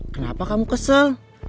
kenapa kamu kesel